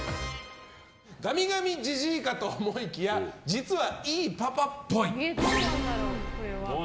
ガミガミじじいかと思いきや実はいいパパっぽい。